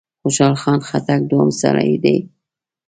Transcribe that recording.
خوشحال خان خټک دوهم سړی دی.